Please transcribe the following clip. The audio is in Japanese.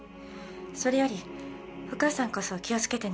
それよりお母さんこそ気をつけてね。